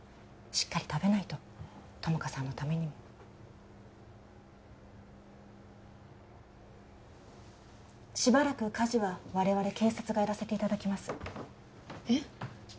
しっかり食べないと友果さんのためにもしばらく家事は我々警察がやらせていただきますえっ？